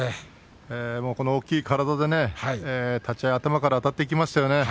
この大きな体で立ち合い頭からあたっていきました。